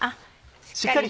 しっかり。